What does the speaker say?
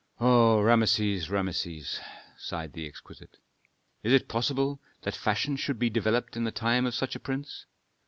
"O Rameses, Rameses!" sighed the exquisite. "Is it possible that fashion should be developed in the time of such a prince?